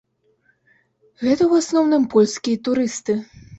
Гэта ў асноўным польскія турысты.